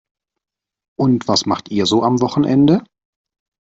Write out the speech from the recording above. Und was macht ihr so am Wochenende?